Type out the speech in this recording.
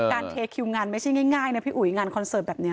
เทคิวงานไม่ใช่ง่ายนะพี่อุ๋ยงานคอนเสิร์ตแบบนี้